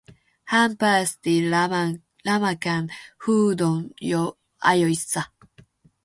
Hän päästi rämäkän huudon jo ajoissa.